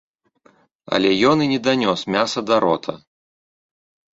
Але ён і не данёс мяса да рота.